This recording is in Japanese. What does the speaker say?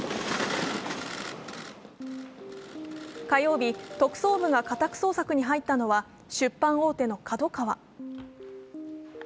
火曜日、特捜部が家宅捜索に入ったのは、出版大手のＫＡＤＯＫＡＷＡ。